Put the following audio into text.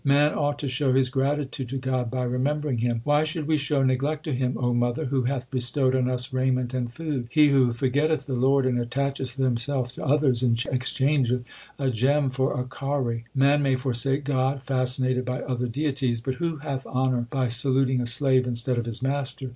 Man ought to show his gratitude to God by remem bering Him : Why should we show neglect to Him, O mother, Who hath bestowed on us raiment and food ? He who forgetteth the Lord and attacheth himself to others, Exchangeth a gem for a kauri. Man may forsake God, fascinated by other deities ; But who hath honour by saluting a slave instead of his master